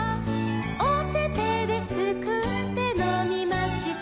「おててですくってのみました」